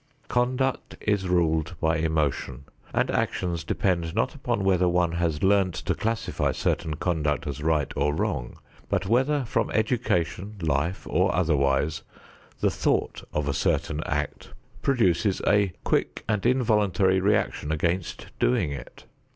Conduct is ruled by emotion, and actions depend not upon whether one has learned to classify certain conduct as right or wrong, but whether from education, life or otherwise, the thought of a certain act produces a quick and involuntary reaction against doing it.